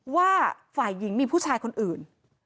ว่าฝ่ายหญิงมีผู้ชายคนอื่น